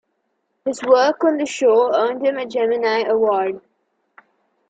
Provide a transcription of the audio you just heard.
His work on the show earned him a Gemini Award.